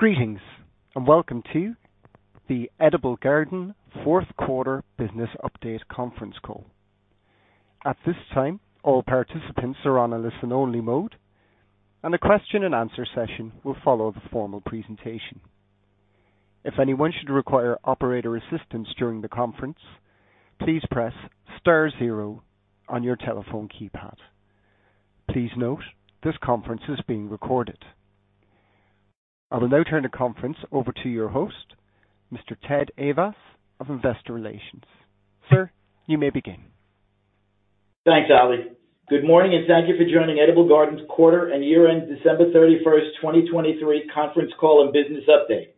Greetings, and welcome to the Edible Garden fourth-quarter business update conference call. At this time, all participants are on a listen-only mode, and a question-and-answer session will follow the formal presentation. If anyone should require operator assistance during the conference, please press star zero on your telephone keypad. Please note, this conference is being recorded. I will now turn the conference over to your host, Mr. Ted Ayvas of Investor Relations. Sir, you may begin. Thanks, Ali. Good morning, and thank you for joining Edible Garden's quarter-and-year-end December 31st, 2023, conference call and business update.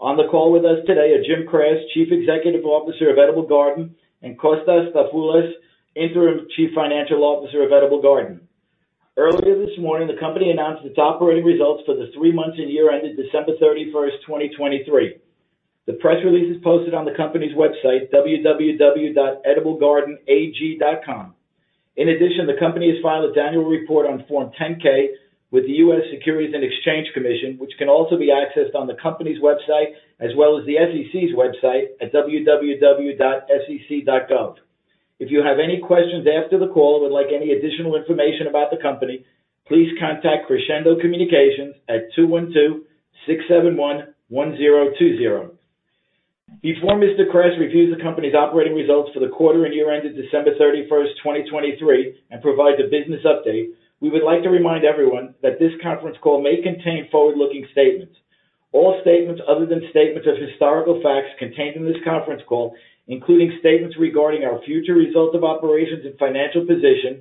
On the call with us today are Jim Kras, Chief Executive Officer of Edible Garden, and Kostas Dafoulas, Interim Chief Financial Officer of Edible Garden. Earlier this morning, the company announced its operating results for the three-month-and-year-end of December 31st, 2023. The press release is posted on the company's website, www.ediblegardenag.com. In addition, the company has filed its annual report on Form 10-K with the U.S. Securities and Exchange Commission, which can also be accessed on the company's website as well as the SEC's website at www.sec.gov. If you have any questions after the call and would like any additional information about the company, please contact Crescendo Communications at 212-671-1020. Before Mr. Kras reviews the company's operating results for the quarter-and-year-end of December 31st, 2023, and provides a business update. We would like to remind everyone that this conference call may contain forward-looking statements. All statements other than statements of historical facts contained in this conference call, including statements regarding our future result of operations and financial position,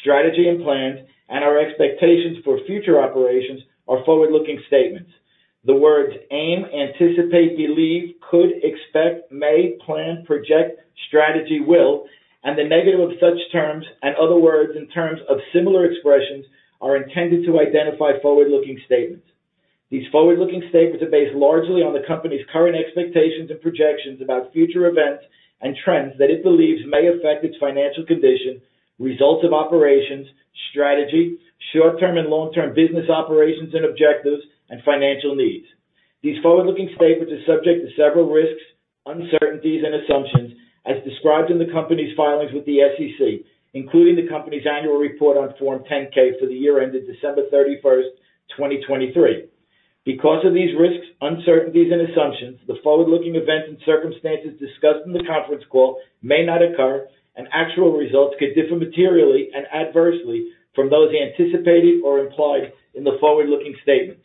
strategy and plans, and our expectations for future operations, are forward-looking statements. The words aim, anticipate, believe, could, expect, may, plan, project, strategy, will, and the negative of such terms and other words in terms of similar expressions are intended to identify forward-looking statements. These forward-looking statements are based largely on the company's current expectations and projections about future events and trends that it believes may affect its financial condition, results of operations, strategy, short-term and long-term business operations and objectives, and financial needs. These forward-looking statements are subject to several risks, uncertainties, and assumptions, as described in the company's filings with the SEC, including the company's annual report on Form 10-K for the year-end of December 31st, 2023. Because of these risks, uncertainties, and assumptions, the forward-looking events and circumstances discussed in the conference call may not occur, and actual results could differ materially and adversely from those anticipated or implied in the forward-looking statements.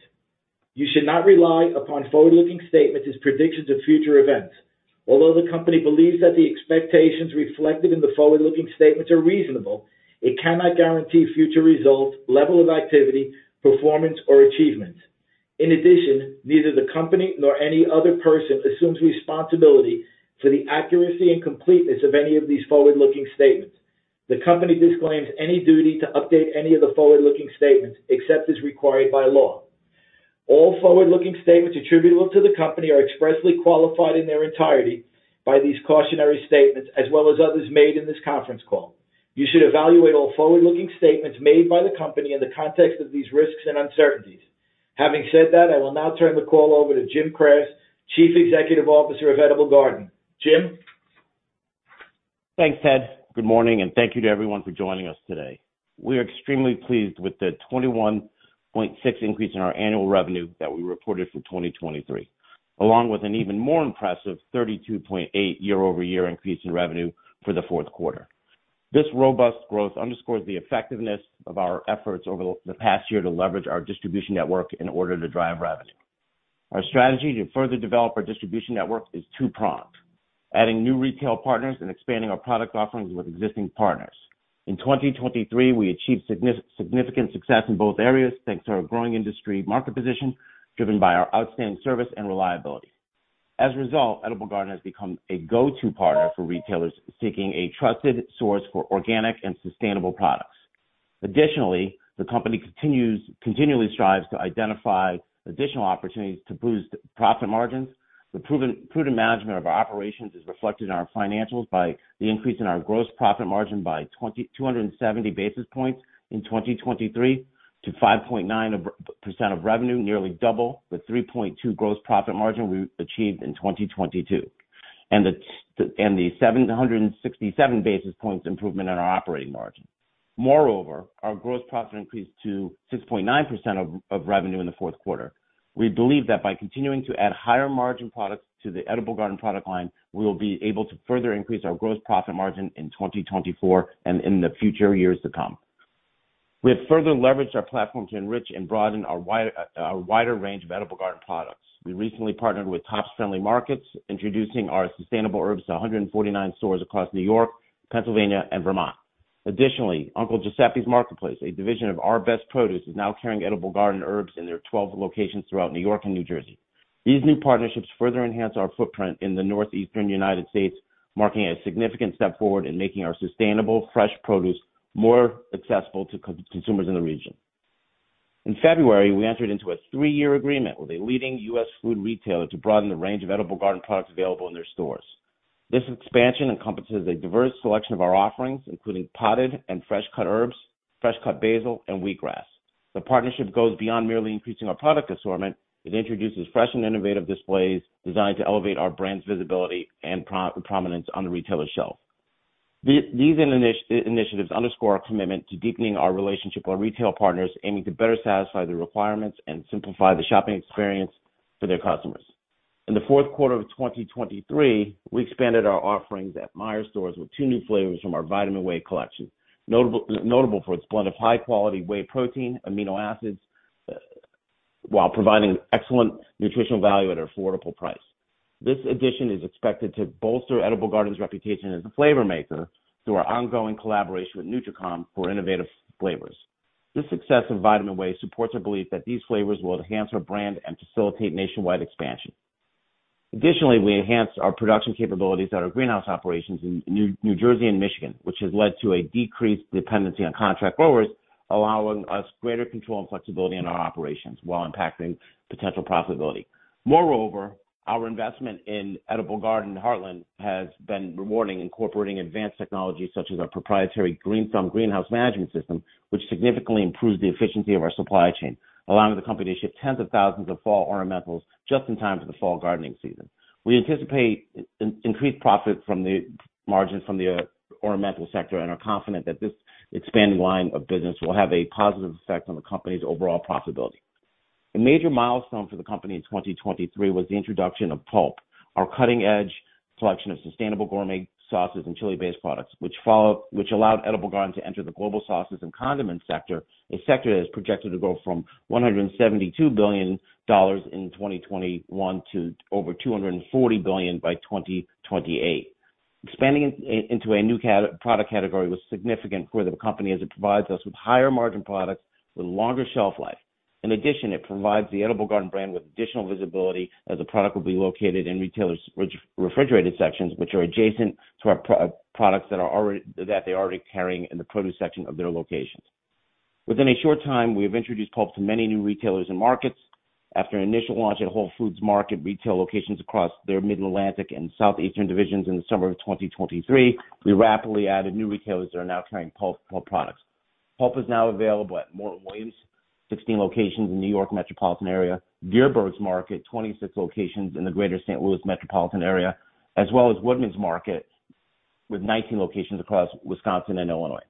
You should not rely upon forward-looking statements as predictions of future events. Although the company believes that the expectations reflected in the forward-looking statements are reasonable, it cannot guarantee future results, level of activity, performance, or achievements. In addition, neither the company nor any other person assumes responsibility for the accuracy and completeness of any of these forward-looking statements. The company disclaims any duty to update any of the forward-looking statements except as required by law. All forward-looking statements attributable to the company are expressly qualified in their entirety by these cautionary statements as well as others made in this conference call. You should evaluate all forward-looking statements made by the company in the context of these risks and uncertainties. Having said that, I will now turn the call over to Jim Kras, Chief Executive Officer of Edible Garden. Jim? Thanks, Ted. Good morning, and thank you to everyone for joining us today. We are extremely pleased with the 21.6 increase in our annual revenue that we reported for 2023, along with an even more impressive 32.8 year-over-year increase in revenue for the fourth quarter. This robust growth underscores the effectiveness of our efforts over the past year to leverage our distribution network in order to drive revenue. Our strategy to further develop our distribution network is two-pronged: adding new retail partners and expanding our product offerings with existing partners. In 2023, we achieved significant success in both areas thanks to our growing industry market position driven by our outstanding service and reliability. As a result, Edible Garden has become a go-to partner for retailers seeking a trusted source for organic and sustainable products. Additionally, the company continually strives to identify additional opportunities to boost profit margins. The prudent management of our operations is reflected in our financials by the increase in our gross profit margin by 270 basis points in 2023 to 5.9% of revenue, nearly double the 3.2% gross profit margin we achieved in 2022 and the 767 basis points improvement in our operating margin. Moreover, our gross profit increased to 6.9% of revenue in the fourth quarter. We believe that by continuing to add higher-margin products to the Edible Garden product line, we will be able to further increase our gross profit margin in 2024 and in the future years to come. We have further leveraged our platform to enrich and broaden our wider range of Edible Garden products. We recently partnered with Tops Friendly Markets, introducing our sustainable herbs to 149 stores across New York, Pennsylvania, and Vermont. Additionally, Uncle Giuseppe's Marketplace, a division of R-Best Produce, is now carrying Edible Garden herbs in their 12 locations throughout New York and New Jersey. These new partnerships further enhance our footprint in the northeastern United States, marking a significant step forward in making our sustainable, fresh produce more accessible to consumers in the region. In February, we entered into a three year agreement with a leading U.S. food retailer to broaden the range of Edible Garden products available in their stores. This expansion encompasses a diverse selection of our offerings, including potted and fresh-cut herbs, fresh-cut basil, and wheatgrass. The partnership goes beyond merely increasing our product assortment. It introduces fresh and innovative displays designed to elevate our brand's visibility and prominence on the retailer shelf. These initiatives underscore our commitment to deepening our relationship with our retail partners, aiming to better satisfy their requirements and simplify the shopping experience for their customers. In the fourth quarter of 2023, we expanded our offerings at Meijer stores with two new flavors from our Vitamin Way collection, notable for its blend of high-quality whey protein, amino acids, while providing excellent nutritional value at an affordable price. This addition is expected to bolster Edible Garden's reputation as a flavor maker through our ongoing collaboration with NutraCom for innovative flavors. This success of Vitamin Way supports our belief that these flavors will enhance our brand and facilitate nationwide expansion. Additionally, we enhanced our production capabilities at our greenhouse operations in New Jersey and Michigan, which has led to a decreased dependency on contract growers, allowing us greater control and flexibility in our operations while impacting potential profitability. Moreover, our investment in Edible Garden Heartland has been rewarding, incorporating advanced technology such as our proprietary GreenThumb greenhouse management system, which significantly improves the efficiency of our supply chain, allowing the company to ship tens of thousands of fall ornamentals just in time for the fall gardening season. We anticipate increased profit margins from the ornamental sector and are confident that this expanding line of business will have a positive effect on the company's overall profitability. A major milestone for the company in 2023 was the introduction of Pulp, our cutting-edge collection of sustainable gourmet sauces and chili-based products, which allowed Edible Garden to enter the global sauces and condiments sector, a sector that is projected to grow from $172 billion in 2021 to over $240 billion by 2028. Expanding into a new product category was significant for the company as it provides us with higher-margin products with longer shelf life. In addition, it provides the Edible Garden brand with additional visibility as the product will be located in retailers' refrigerated sections, which are adjacent to products that they are already carrying in the produce section of their locations. Within a short time, we have introduced Pulp to many new retailers and markets. After an initial launch at Whole Foods Market retail locations across their Mid-Atlantic and southeastern divisions in the summer of 2023, we rapidly added new retailers that are now carrying Pulp products. Pulp is now available at Morton Williams, 16 locations in the New York metropolitan area. Dierbergs Markets, 26 locations in the greater St. Louis metropolitan area. As well as Woodman's Market with 19 locations across Wisconsin and Illinois.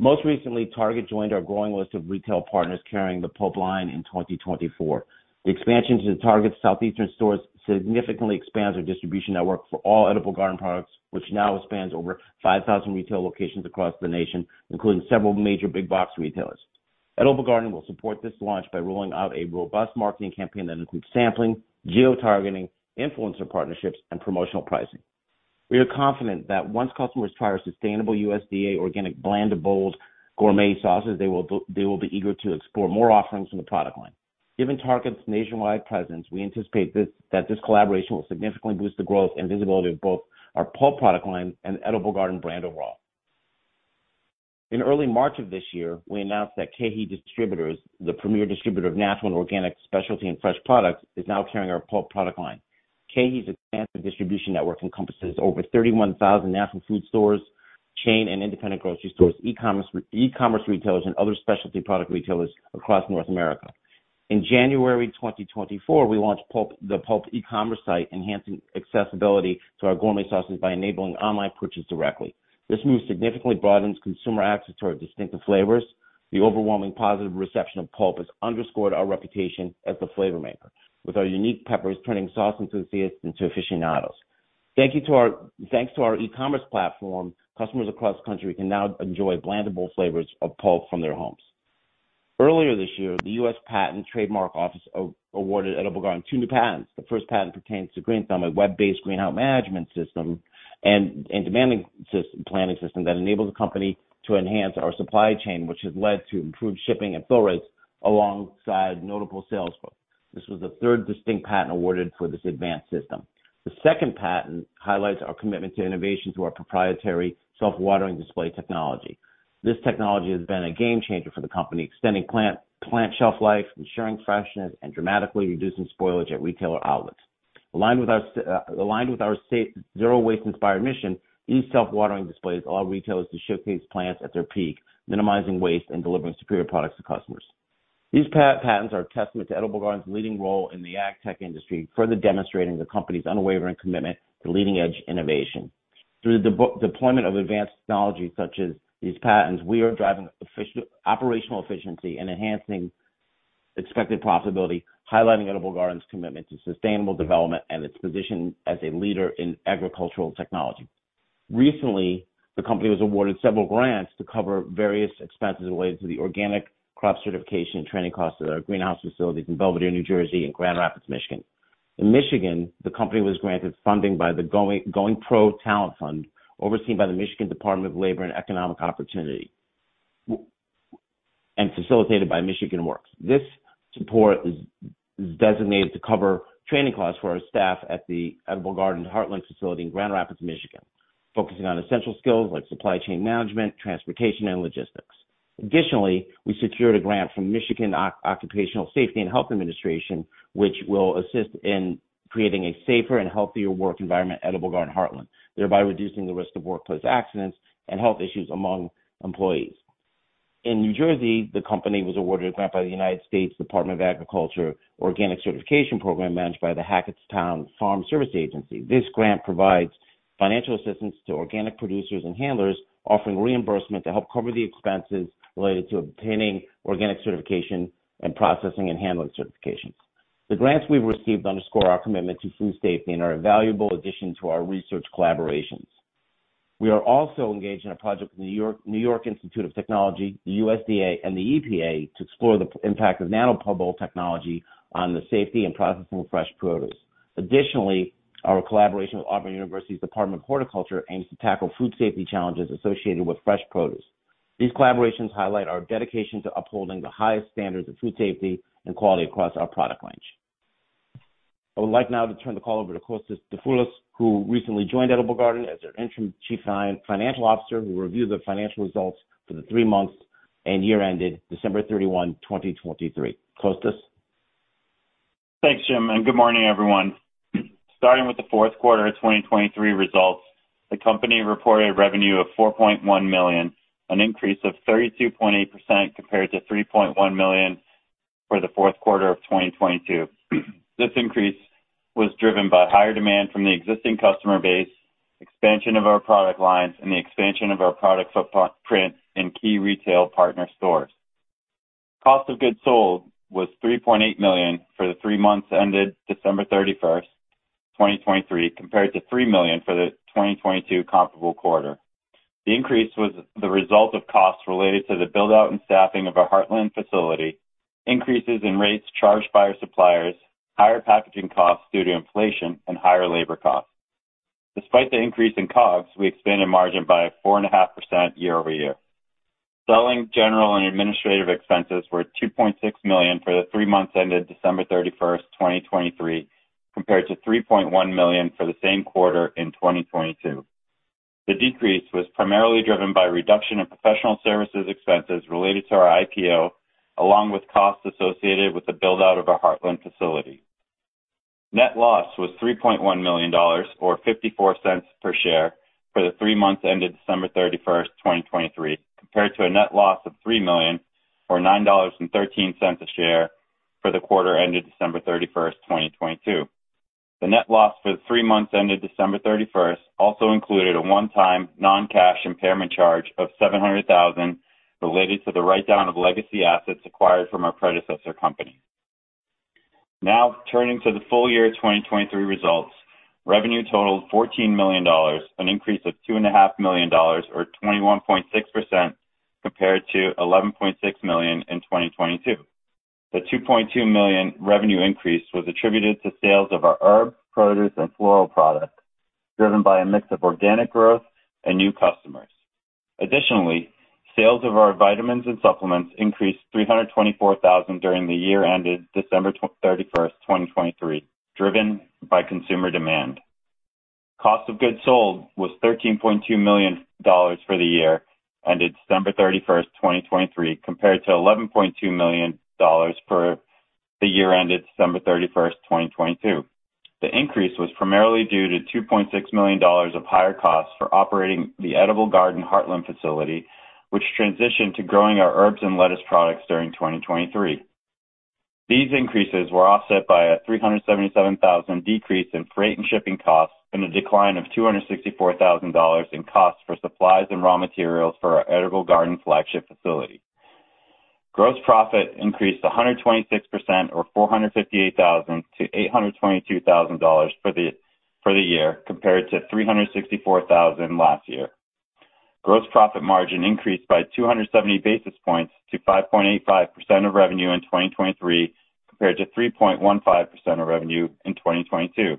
Most recently, Target joined our growing list of retail partners carrying the Pulp line in 2024. The expansion to Target's southeastern stores significantly expands our distribution network for all Edible Garden products, which now spans over 5,000 retail locations across the nation, including several major big-box retailers. Edible Garden will support this launch by rolling out a robust marketing campaign that includes sampling, geotargeting, influencer partnerships, and promotional pricing. We are confident that once customers try our sustainable USDA organic bland-to-bold gourmet sauces, they will be eager to explore more offerings from the product line. Given Target's nationwide presence, we anticipate that this collaboration will significantly boost the growth and visibility of both our Pulp product line and Edible Garden brand overall. In early March of this year, we announced that KeHE Distributors, the premier distributor of natural and organic specialty and fresh products, is now carrying our Pulp product line. KeHE's expansive distribution network encompasses over 31,000 natural food stores, chain and independent grocery stores, e-commerce retailers, and other specialty product retailers across North America. In January 2024, we launched the Pulp e-commerce site, enhancing accessibility to our gourmet sauces by enabling online purchase directly. This move significantly broadens consumer access to our distinctive flavors. The overwhelming positive reception of Pulp has underscored our reputation as the flavor maker, with our unique peppers turning sauce enthusiasts into aficionados. Thanks to our e-commerce platform, customers across the country can now enjoy bland-to-bold flavors of Pulp from their homes. Earlier this year, the U.S. Patent and Trademark Office awarded Edible Garden two new patents. The first patent pertains to Green Thumb, a web-based greenhouse management system and planning system that enables the company to enhance our supply chain, which has led to improved shipping and fill rates alongside notable sales growth. This was the third distinct patent awarded for this advanced system. The second patent highlights our commitment to innovation through our proprietary self-watering display technology. This technology has been a game-changer for the company, extending plant shelf life, ensuring freshness, and dramatically reducing spoilage at retailer outlets. Aligned with our zero-waste-inspired mission, these self-watering displays allow retailers to showcase plants at their peak, minimizing waste, and delivering superior products to customers. These patents are a testament to Edible Garden's leading role in the ag-tech industry, further demonstrating the company's unwavering commitment to leading-edge innovation. Through the deployment of advanced technology such as these patents, we are driving operational efficiency and enhancing expected profitability, highlighting Edible Garden's commitment to sustainable development and its position as a leader in agricultural technology. Recently, the company was awarded several grants to cover various expenses related to the organic crop certification and training costs at our greenhouse facilities in Belvidere, New Jersey, and Grand Rapids, Michigan. In Michigan, the company was granted funding by the Going Pro Talent Fund overseen by the Michigan Department of Labor and Economic Opportunity and facilitated by Michigan Works. This support is designated to cover training costs for our staff at the Edible Garden Heartland facility in Grand Rapids, Michigan, focusing on essential skills like supply chain management, transportation, and logistics. Additionally, we secured a grant from Michigan Occupational Safety and Health Administration, which will assist in creating a safer and healthier work environment at Edible Garden Heartland, thereby reducing the risk of workplace accidents and health issues among employees. In New Jersey, the company was awarded a grant by the United States Department of Agriculture Organic Certification Program managed by the Hackettstown Farm Service Agency. This grant provides financial assistance to organic producers and handlers, offering reimbursement to help cover the expenses related to obtaining organic certification and processing and handling certifications. The grants we've received underscore our commitment to food safety and are a valuable addition to our research collaborations. We are also engaged in a project with the New York Institute of Technology, the USDA, and the EPA to explore the impact of nanobubble technology on the safety and processing of fresh produce. Additionally, our collaboration with Auburn University's Department of Horticulture aims to tackle food safety challenges associated with fresh produce. These collaborations highlight our dedication to upholding the highest standards of food safety and quality across our product range. I would like now to turn the call over to Kostas Dafoulas, who recently joined Edible Garden as their Interim Chief Financial Officer, who will review the financial results for the three months and year-ended December 31, 2023. Kostas? Thanks, Jim, and good morning, everyone. Starting with the fourth quarter of 2023 results, the company reported revenue of $4.1 million, an increase of 32.8% compared to $3.1 million for the fourth quarter of 2022. This increase was driven by higher demand from the existing customer base, expansion of our product lines, and the expansion of our product footprint in key retail partner stores. Cost of goods sold was $3.8 million for the three months ended December 31, 2023, compared to $3 million for the 2022 comparable quarter. The increase was the result of costs related to the buildout and staffing of our Heartland facility, increases in rates charged by our suppliers, higher packaging costs due to inflation, and higher labor costs. Despite the increase in COGS, we expanded margin by 4.5% year-over-year. Selling general and administrative expenses were $2.6 million for the three months ended December 31, 2023, compared to $3.1 million for the same quarter in 2022. The decrease was primarily driven by reduction in professional services expenses related to our IPO, along with costs associated with the buildout of our Heartland facility. Net loss was $3.1 million or $0.54 per share for the three months ended December 31, 2023, compared to a net loss of $3 million or $9.13 a share for the quarter ended December 31, 2022. The net loss for the three months ended December 31 also included a one-time non-cash impairment charge of $700,000 related to the write-down of legacy assets acquired from our predecessor company. Now turning to the full year 2023 results, revenue totaled $14 million, an increase of $2.5 million or 21.6% compared to $11.6 million in 2022. The $2.2 million revenue increase was attributed to sales of our herb, produce, and floral products, driven by a mix of organic growth and new customers. Additionally, sales of our vitamins and supplements increased $324,000 during the year-ended December 31, 2023, driven by consumer demand. Cost of goods sold was $13.2 million for the year-ended December 31, 2023, compared to $11.2 million for the year-ended December 31, 2022. The increase was primarily due to $2.6 million of higher costs for operating the Edible Garden Heartland facility, which transitioned to growing our herbs and lettuce products during 2023. These increases were offset by a $377,000 decrease in freight and shipping costs and a decline of $264,000 in costs for supplies and raw materials for our Edible Garden flagship facility. Gross profit increased 126% or $458,000 to $822,000 for the year, compared to $364,000 last year. Gross profit margin increased by 270 basis points to 5.85% of revenue in 2023, compared to 3.15% of revenue in 2022.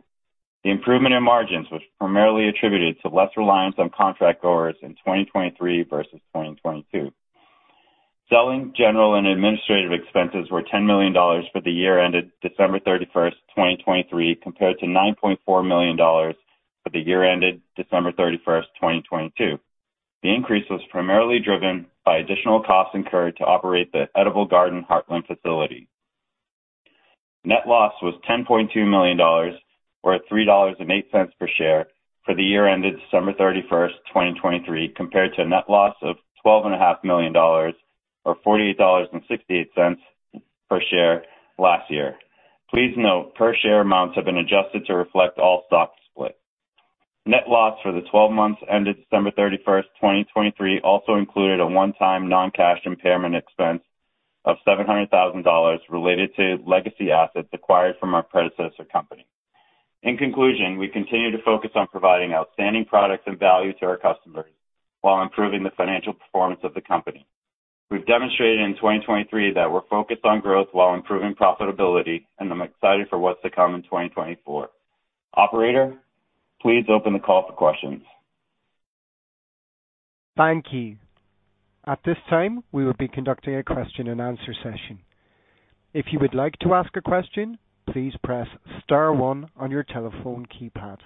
The improvement in margins was primarily attributed to less reliance on contract growers in 2023 versus 2022. Selling general and administrative expenses were $10 million for the year-ended December 31, 2023, compared to $9.4 million for the year-ended December 31, 2022. The increase was primarily driven by additional costs incurred to operate the Edible Garden Heartland facility. Net loss was $10.2 million or $3.08 per share for the year-ended December 31, 2023, compared to a net loss of $12.5 million or $48.68 per share last year. Please note, per-share amounts have been adjusted to reflect all stock splits. Net loss for the 12 months ended December 31, 2023 also included a one-time non-cash impairment expense of $700,000 related to legacy assets acquired from our predecessor company. In conclusion, we continue to focus on providing outstanding products and value to our customers while improving the financial performance of the company. We've demonstrated in 2023 that we're focused on growth while improving profitability, and I'm excited for what's to come in 2024. Operator, please open the call for questions. Thank you. At this time, we will be conducting a question-and-answer session. If you would like to ask a question, please press star one on your telephone keypad.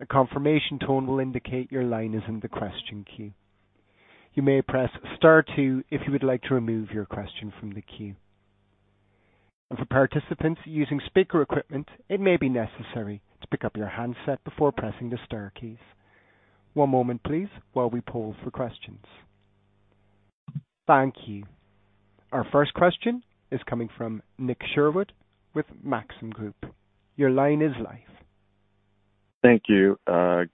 A confirmation tone will indicate your line is in the question queue. You may press star two if you would like to remove your question from the queue. And for participants using speaker equipment, it may be necessary to pick up your handset before pressing the star keys. One moment, please, while we poll for questions. Thank you. Our first question is coming from Nick Sherwood with Maxim Group. Your line is live. Thank you.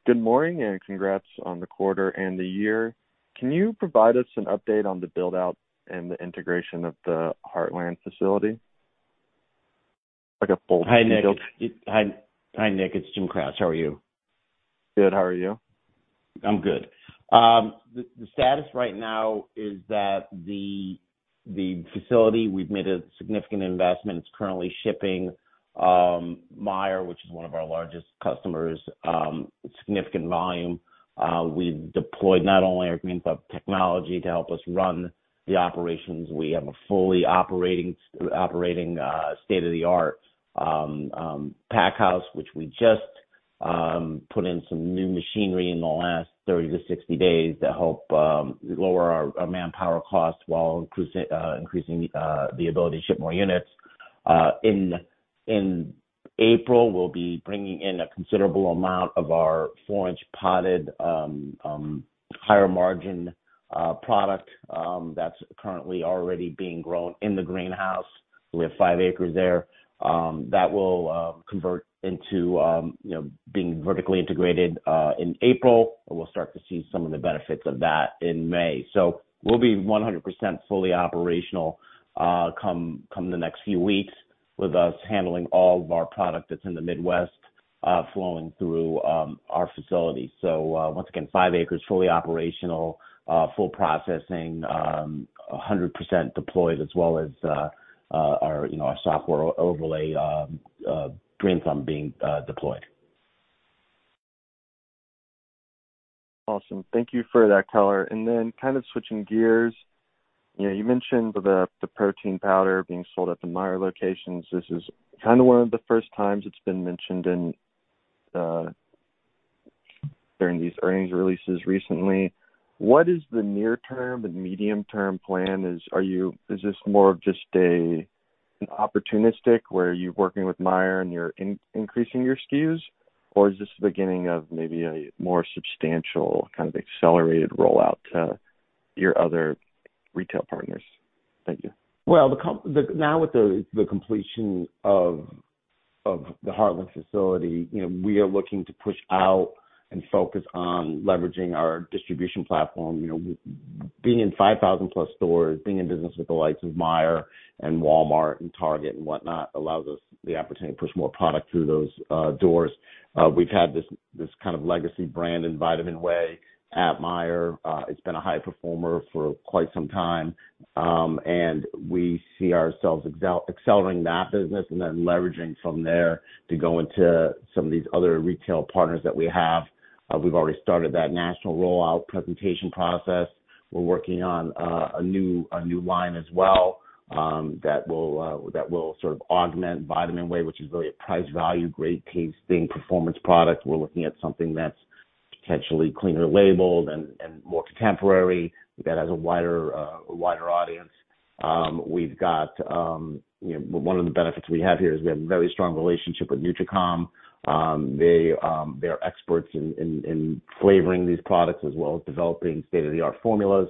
Good morning and congrats on the quarter and the year. Can you provide us an update on the buildout and the integration of the Heartland facility? Like a bold, big, big. Hi, Nick. Hi, Nick. It's Jim Kras. How are you? Good. How are you? I'm good. The status right now is that the facility. We've made a significant investment. It's currently shipping Meijer, which is one of our largest customers, significant volume. We've deployed not only our Green Thumb technology to help us run the operations. We have a fully operating state-of-the-art packhouse, which we just put in some new machinery in the last 30-60 days to help lower our manpower costs while increasing the ability to ship more units. In April, we'll be bringing in a considerable amount of our 4-inch potted higher-margin product that's currently already being grown in the greenhouse. We have 5 acres there that will convert into being vertically integrated in April, and we'll start to see some of the benefits of that in May. We'll be 100% fully operational come the next few weeks with us handling all of our product that's in the Midwest flowing through our facility. Once again, five acres, fully operational, full processing, 100% deployed, as well as our software overlay, Green Thumb being deployed. Awesome. Thank you for that color. Then kind of switching gears, you mentioned the protein powder being sold at the Meijer locations. This is kind of one of the first times it's been mentioned during these earnings releases recently. What is the near-term and medium-term plan? Is this more of just an opportunistic where you're working with Meijer and you're increasing your SKUs, or is this the beginning of maybe a more substantial kind of accelerated rollout to your other retail partners? Thank you. Well, now with the completion of the Heartland facility, we are looking to push out and focus on leveraging our distribution platform. Being in 5,000+ stores, being in business with the likes of Meijer and Walmart and Target and whatnot allows us the opportunity to push more product through those doors. We've had this kind of legacy brand in Vitamin Way at Meijer. It's been a high performer for quite some time, and we see ourselves accelerating that business and then leveraging from there to go into some of these other retail partners that we have. We've already started that national rollout presentation process. We're working on a new line as well that will sort of augment Vitamin Way, which is really a price-value, great tasting, performance product. We're looking at something that's potentially cleaner labeled and more contemporary that has a wider audience. We've got one of the benefits we have here is we have a very strong relationship with NutraCom. They are experts in flavoring these products as well as developing state-of-the-art formulas.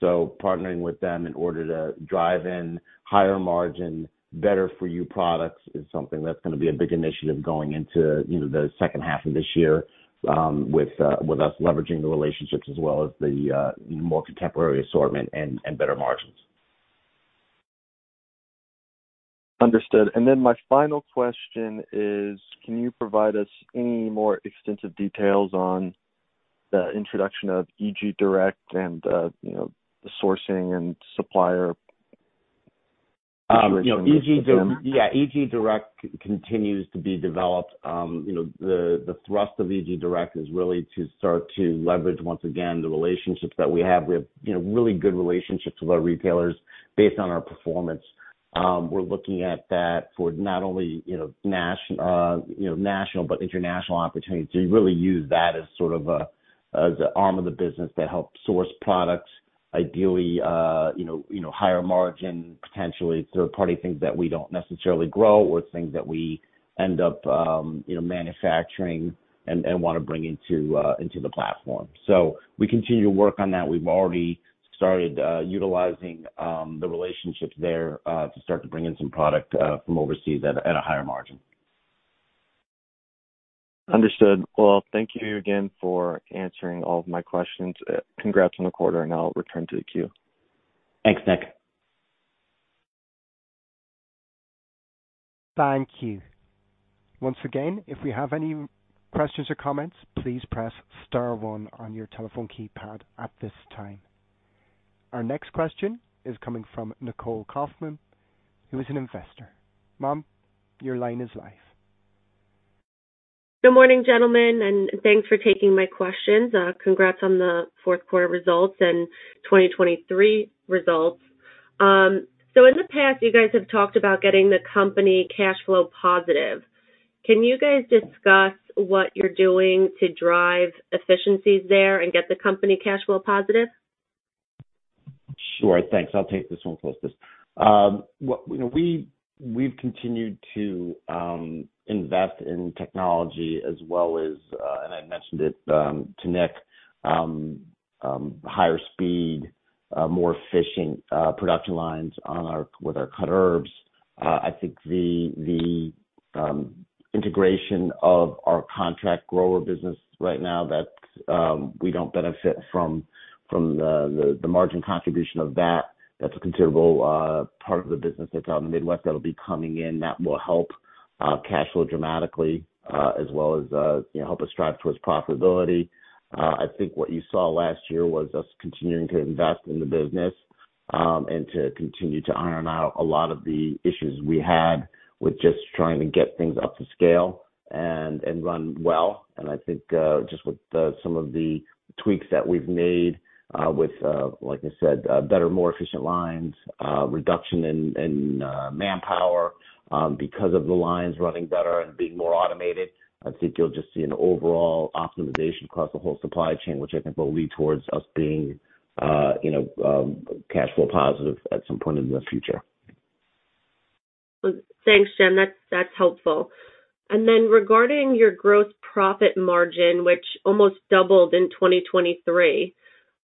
So partnering with them in order to drive in higher-margin, better-for-you products is something that's going to be a big initiative going into the second half of this year with us leveraging the relationships as well as the more contemporary assortment and better margins. Understood. And then my final question is, can you provide us any more extensive details on the introduction of EG Direct and the sourcing and supplier integration with them? Yeah. EG Direct continues to be developed. The thrust of EG Direct is really to start to leverage, once again, the relationships that we have. We have really good relationships with our retailers based on our performance. We're looking at that for not only national but international opportunities. So you really use that as sort of an arm of the business that helps source products, ideally higher margin, potentially third-party things that we don't necessarily grow or things that we end up manufacturing and want to bring into the platform. So we continue to work on that. We've already started utilizing the relationships there to start to bring in some product from overseas at a higher margin. Understood. Well, thank you again for answering all of my questions. Congrats on the quarter, and I'll return to the queue. Thanks, Nick. Thank you. Once again, if we have any questions or comments, please press star 1 on your telephone keypad at this time. Our next question is coming from Nicole Kaufman, who is an investor. Ma'am, your line is live. Good morning, gentlemen, and thanks for taking my questions. Congrats on the fourth quarter results and 2023 results. So in the past, you guys have talked about getting the company cash flow positive. Can you guys discuss what you're doing to drive efficiencies there and get the company cash flow positive? Sure. Thanks. I'll take this one closest. We've continued to invest in technology as well as, and I mentioned it to Nick, higher speed, more efficient production lines with our cut herbs. I think the integration of our contract grower business right now that we don't benefit from the margin contribution of that, that's a considerable part of the business that's out in the Midwest that'll be coming in. That will help cash flow dramatically as well as help us strive towards profitability. I think what you saw last year was us continuing to invest in the business and to continue to iron out a lot of the issues we had with just trying to get things up to scale and run well. I think just with some of the tweaks that we've made with, like I said, better, more efficient lines, reduction in manpower because of the lines running better and being more automated, I think you'll just see an overall optimization across the whole supply chain, which I think will lead towards us being cash flow positive at some point in the future. Thanks, Jim. That's helpful. And then regarding your gross profit margin, which almost doubled in 2023,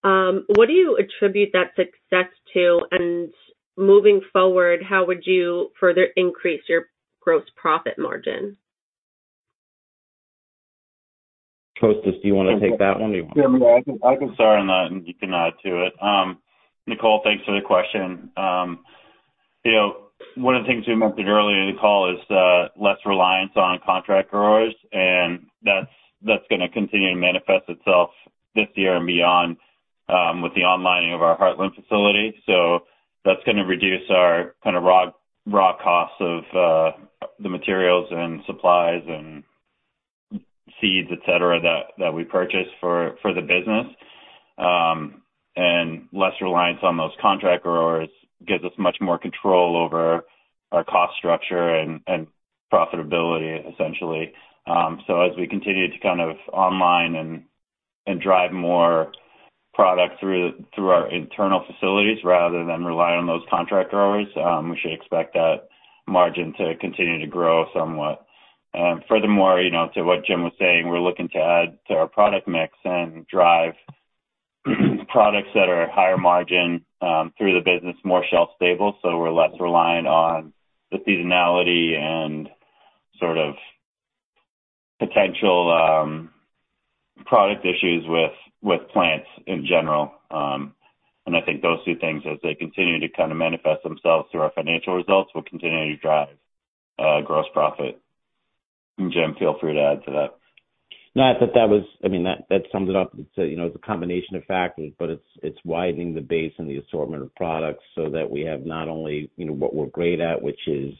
what do you attribute that success to? And moving forward, how would you further increase your gross profit margin? Kostas, do you want to take that one or do you want to? Yeah. I can start on that, and you can add to it. Nicole, thanks for the question. One of the things we mentioned earlier in the call is less reliance on contract growers, and that's going to continue to manifest itself this year and beyond with the onlining of our Heartland facility. So that's going to reduce our kind of raw costs of the materials and supplies and seeds, etc., that we purchase for the business. And less reliance on those contract growers gives us much more control over our cost structure and profitability, essentially. So as we continue to kind of online and drive more product through our internal facilities rather than rely on those contract growers, we should expect that margin to continue to grow somewhat. Furthermore, to what Jim was saying, we're looking to add to our product mix and drive products that are higher margin through the business more shelf stable. So we're less reliant on the seasonality and sort of potential product issues with plants in general. I think those two things, as they continue to kind of manifest themselves through our financial results, will continue to drive gross profit. Jim, feel free to add to that. Not that that was. I mean, that sums it up. It's a combination of factors, but it's widening the base and the assortment of products so that we have not only what we're great at, which is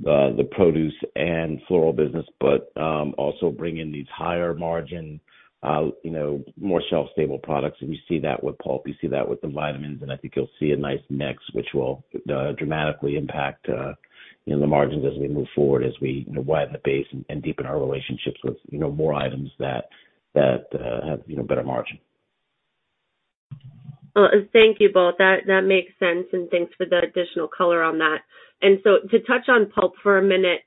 the produce and floral business, but also bring in these higher margin, more shelf stable products. And you see that with Pulp. You see that with the vitamins. And I think you'll see a nice mix, which will dramatically impact the margins as we move forward, as we widen the base and deepen our relationships with more items that have better margin. Thank you both. That makes sense, and thanks for the additional color on that. And so to touch on Pulp for a minute,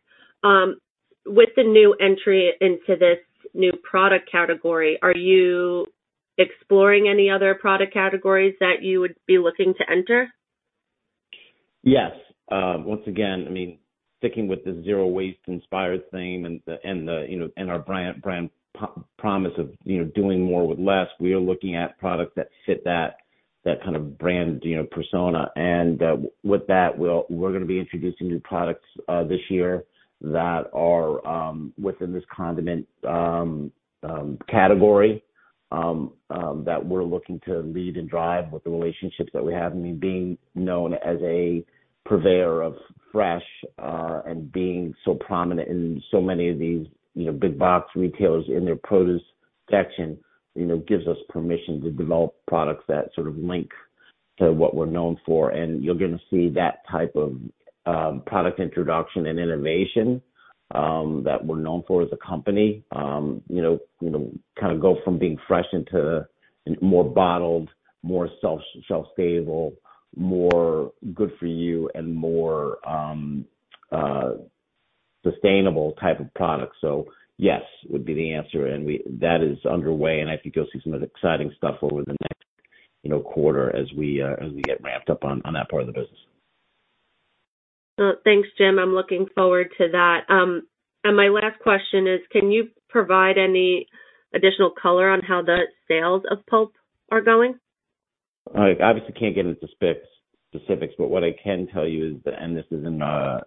with the new entry into this new product category, are you exploring any other product categories that you would be looking to enter? Yes. Once again, I mean, sticking with the zero-waste-inspired theme and our brand promise of doing more with less, we are looking at products that fit that kind of brand persona. With that, we're going to be introducing new products this year that are within this condiment category that we're looking to lead and drive with the relationships that we have. I mean, being known as a purveyor of fresh and being so prominent in so many of these big-box retailers in their produce section gives us permission to develop products that sort of link to what we're known for. You're going to see that type of product introduction and innovation that we're known for as a company kind of go from being fresh into more bottled, more shelf stable, more good for you, and more sustainable type of product. Yes, would be the answer. And that is underway, and I think you'll see some exciting stuff over the next quarter as we get ramped up on that part of the business. Thanks, Jim. I'm looking forward to that. My last question is, can you provide any additional color on how the sales of Pulp are going? I obviously can't get into specifics, but what I can tell you is, and this is in our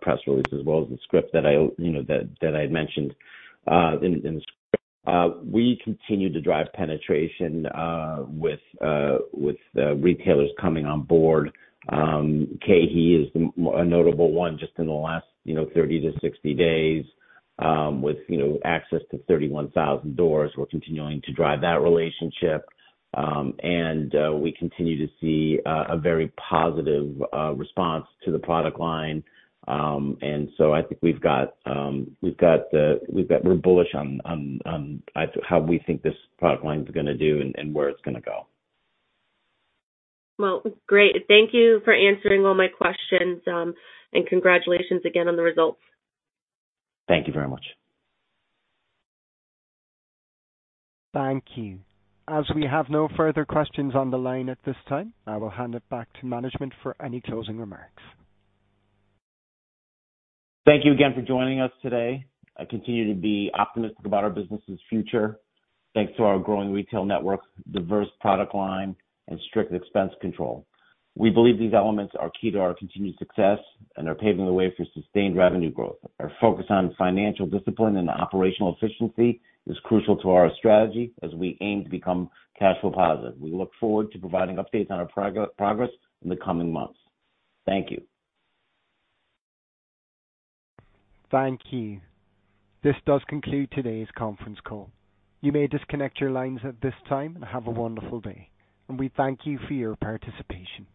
press release as well as the script that I had mentioned in the script, we continue to drive penetration with retailers coming on board. KeHE is a notable one just in the last 30-60 days. With access to 31,000 doors, we're continuing to drive that relationship. We continue to see a very positive response to the product line. So I think we've got the we're bullish on how we think this product line is going to do and where it's going to go. Well, great. Thank you for answering all my questions, and congratulations again on the results. Thank you very much. Thank you. As we have no further questions on the line at this time, I will hand it back to management for any closing remarks. Thank you again for joining us today. I continue to be optimistic about our business's future thanks to our growing retail network, diverse product line, and strict expense control. We believe these elements are key to our continued success and are paving the way for sustained revenue growth. Our focus on financial discipline and operational efficiency is crucial to our strategy as we aim to become cash flow positive. We look forward to providing updates on our progress in the coming months. Thank you. Thank you. This does conclude today's conference call. You may disconnect your lines at this time and have a wonderful day. We thank you for your participation.